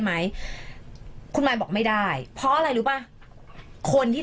ไม่ขอไม่ไหวเหมือนกัน